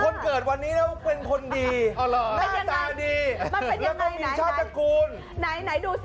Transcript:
คนเกิดวันนี้แล้วเป็นคนดี